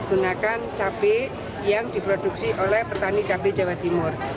gunakan cabai yang diproduksi oleh petani cabai jawa timur